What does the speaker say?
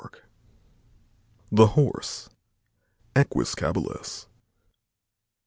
] THE HORSE. (_Equus caballus.